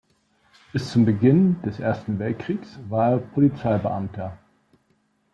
Bis zum Beginn des Ersten Weltkriegs war er Polizeibeamter.